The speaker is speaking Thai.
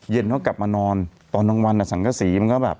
เย็นเขากลับมานอนตอนทั้งวันสังกะศรีมันก็แบบ